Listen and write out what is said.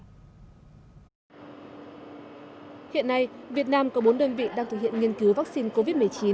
hiện nay việt nam có bốn đơn vị đang thực hiện nghiên cứu vaccine covid một mươi chín